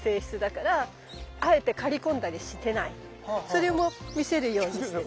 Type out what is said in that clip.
それも見せるようにしてる。